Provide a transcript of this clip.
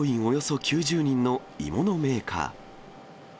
およそ９０人の鋳物メーカー。